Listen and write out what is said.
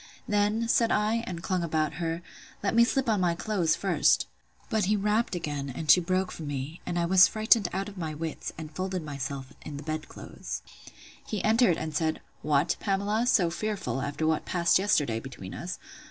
Then, said I, and clung about her, let me slip on my clothes first. But he rapped again, and she broke from me; and I was frightened out of my wits, and folded myself in the bed clothes. He entered, and said, What, Pamela, so fearful, after what passed yesterday between us!